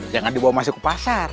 jangan dibawa masuk ke pasar